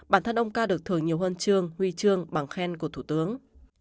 bản thân ông ca được thường nhiều hơn trương huy trương bằng khen của thủ tướng